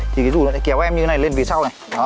thì cái dù nó sẽ kéo em như thế này lên phía sau này